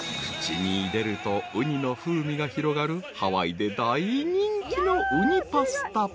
［口に入れるとうにの風味が広がるハワイで大人気のうにパスタ］